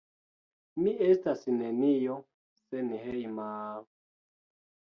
Mi estas nenio senhejma...